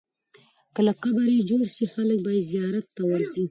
که قبر یې جوړ سي، خلک به یې زیارت ته ورځي.